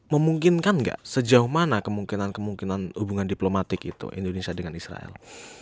memungkinkan nggak sejauh mana kemungkinan kemungkinan hubungan diplomatik itu indonesia dengan israel